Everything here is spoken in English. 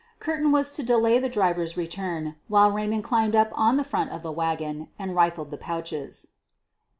Curtin was to delay the driver 'si return while Raymond climbed up on the front of the wagon and rifled the pouches.